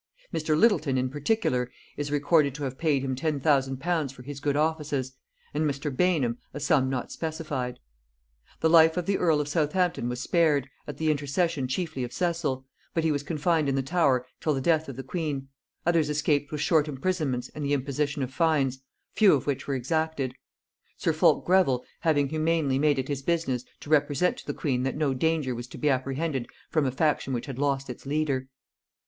Mr. Lyttleton in particular is recorded to have paid him ten thousand pounds for his good offices, and Mr. Bainham a sum not specified. The life of the earl of Southampton was spared, at the intercession chiefly of Cecil, but he was confined in the Tower till the death of the queen: others escaped with short imprisonments and the imposition of fines, few of which were exacted; sir Fulk Greville having humanely made it his business to represent to the queen that no danger was to be apprehended from a faction which had lost its leader.